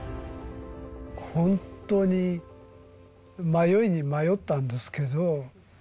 本当に迷いに迷ったんですけど。